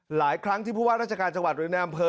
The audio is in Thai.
หลายครั้งที่ผู้ว่าราชการจังหวัดหรือในอำเภอ